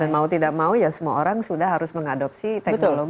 dan mau tidak mau ya semua orang sudah harus mengadopsi teknologi